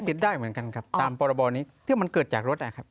ได้เหมือนกันครับตามพรบนี้ที่มันเกิดจากรถนะครับ